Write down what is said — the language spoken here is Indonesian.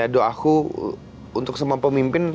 doaku untuk semua pemimpin